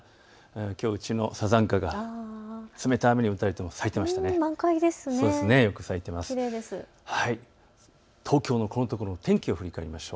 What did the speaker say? きょう、うちのサザンカが冷たい雨に打たれても咲いていました。